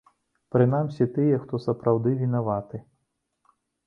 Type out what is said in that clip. Прынамсі тыя, хто сапраўды вінаваты.